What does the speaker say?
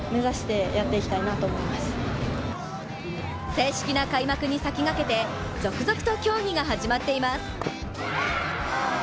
正式な開幕に先駆けて続々と競技が始まっています。